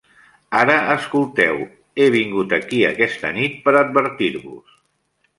Ara escolteu: He vingut aquí aquesta nit per advertir-vos.